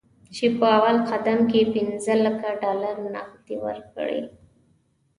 چې په اول قدم کې پنځه لکه ډالر نغد ورکړي.